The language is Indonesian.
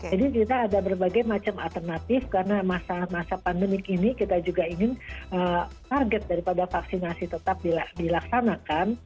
jadi kita ada berbagai macam alternatif karena masa masa pandemik ini kita juga ingin target daripada vaksinasi tetap dilaksanakan